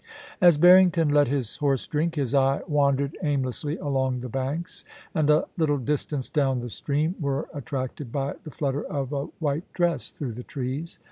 As Barrington let his horse drink, his eye wandered aim lessly along the banks, and a little distance down the stream were attracted by the flutter of a white dress through the trees.